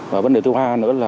và vấn đề thứ hai nữa là